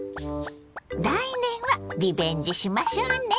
来年はリベンジしましょうね。